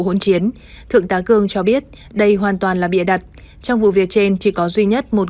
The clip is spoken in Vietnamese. hỗn chiến thượng tá cương cho biết đây hoàn toàn là bịa đặt trong vụ việc trên chỉ có duy nhất một